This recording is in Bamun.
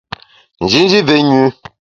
Njinji mvé nyü.